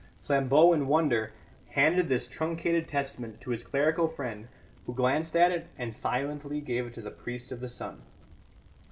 Flambeau, in wonder, handed this truncated testament to his clerical friend, who glanced at it and silently gave it to the priest of the sun.